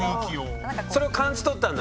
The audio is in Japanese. それを感じ取ったんだ